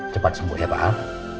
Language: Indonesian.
cepat sembuh ya pak